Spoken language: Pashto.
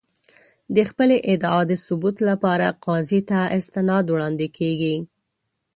د خپلې ادعا د ثبوت لپاره قاضي ته اسناد وړاندې کېږي.